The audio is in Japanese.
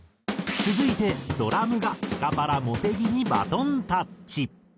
続いてドラムがスカパラ茂木にバトンタッチ。